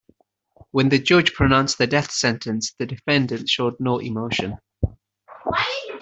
When the judge pronounced the death sentence, the defendant showed no emotion.